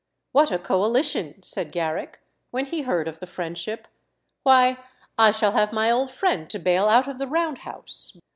"What a coalition!" said Garrick, when he heard of the friendship; "why, I shall have my old friend to bail out of the Round House."